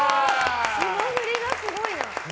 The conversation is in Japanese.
霜降りがすごいな。